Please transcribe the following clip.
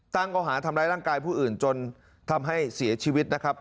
ข้อหาทำร้ายร่างกายผู้อื่นจนทำให้เสียชีวิตนะครับ